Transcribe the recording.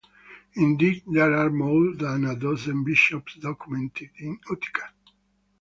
Indeed, there are more than a dozen bishops documented in Utica.